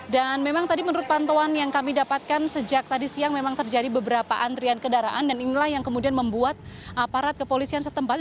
dan memang tadi menurut pantauan yang kami dapatkan sejak tadi siang memang terjadi beberapa antrian kedaraan dan inilah yang kemudian membuat aparat kepolisian setempat